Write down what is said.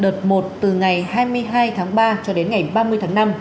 đợt một từ ngày hai mươi hai tháng ba cho đến ngày ba mươi tháng năm